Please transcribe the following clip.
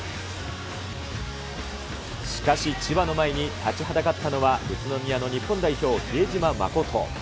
しかし、千葉の前に立ちはだかったのは、宇都宮の日本代表、比江島慎。